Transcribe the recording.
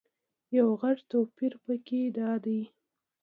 یو غټ توپیر په کې دادی.